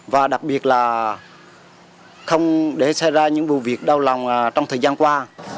và đặc biệt là không để xảy ra những vụ việc đau lòng trong thời gian qua